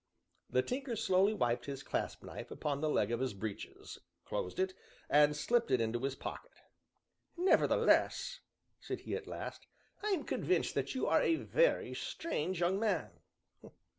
The Tinker slowly wiped his clasp knife upon the leg of his breeches, closed it, and slipped it into his pocket. "Nevertheless," said he at last, "I am convinced that you are a very strange young man."